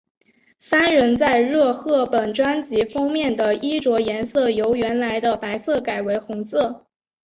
三人在热贺本专辑封面的衣着颜色由原来的白色改为红色。